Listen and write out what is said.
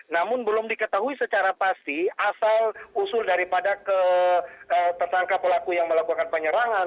namun belum diketahui secara pasti asal usul daripada tersangka pelaku yang melakukan penyerangan